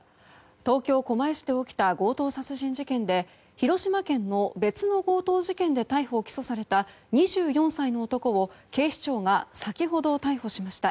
東京・狛江市で起きた強盗殺人事件で広島県の別の強盗事件で逮捕・起訴された２４歳の男を警視庁が先ほど、逮捕しました。